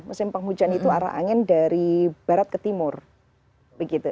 musim penghujan itu arah angin dari barat ke timur begitu